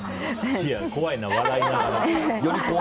怖いな、笑いながら。